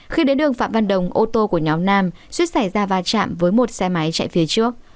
khi đến đường phạm văn đồng ô tô của nhóm nam suýt xảy ra va chạm với một xe máy chạy phía trước